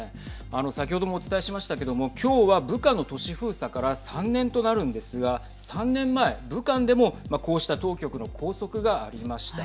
先ほどもお伝えしましたけども今日は武漢の都市封鎖から３年となるんですが３年前、武漢でもこうした当局の拘束がありました。